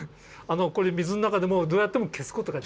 これ水の中でもどうやっても消すことができない。